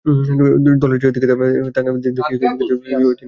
দলের জয়ের দিকেই তিনি দৃষ্টি নিবদ্ধ রাখতেন।